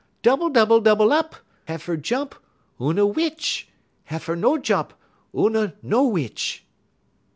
double, double, double up!_' Heifer jump, oona witch; heifer no jump, oona no witch."